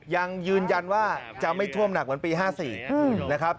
ยังยืนยันว่าจะไม่ท่วมหนักเหมือนปี๕๔นะครับ